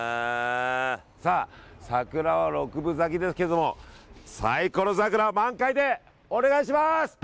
さあ、桜は六分咲きですけどもサイコロ桜は満開でお願いします！